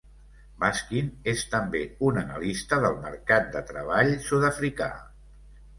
Baskin és també un analista del mercat de treball sud-africà.